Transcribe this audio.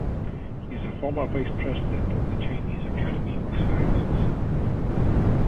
He is a former Vice-President of the Chinese Academy of Sciences.